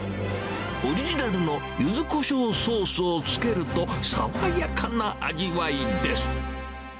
オリジナルのゆずこしょうソースをつけると、爽やかな味わいです。